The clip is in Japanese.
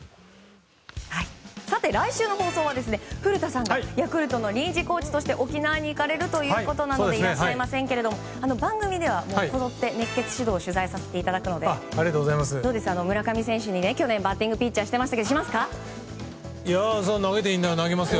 さて、来週の放送は古田さんがヤクルトの臨時コーチとして沖縄に行かれるということなのでいらっしゃいませんけど番組では、こぞって熱血指導を取材させていただくのでどうです、村上選手に去年バッティングピッチャーしてましたけど。投げていいなら投げますよ。